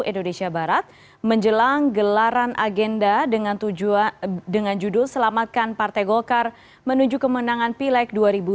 indonesia barat menjelang gelaran agenda dengan judul selamatkan partai golkar menuju kemenangan pileg dua ribu dua puluh